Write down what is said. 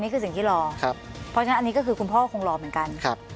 คุณพ่อก็คงรอเหมือนกัน